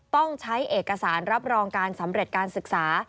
ต้องใช้เอกสารรับรองการสำเร็จการศึกษา